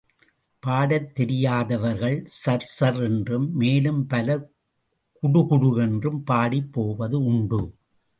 பாடத் தெரியாதவர்கள் sir sir என்றும், மேலும் பலர் குடுகுடு என்றும் பாடிப் போவது உண்டு.